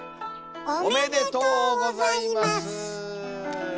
おめでとうございます！